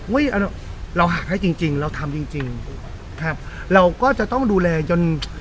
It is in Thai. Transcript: เราหักให้จริงจริงเราทำจริงจริงครับเราก็จะต้องดูแลจน